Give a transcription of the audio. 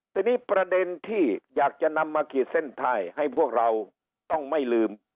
ทีนี้ประเด็นที่อยากจะนำมาขีดเส้นไทยให้พวกเราต้องไม่ลืม